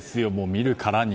見るからに。